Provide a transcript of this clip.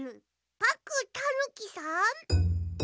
パックンたぬきさん？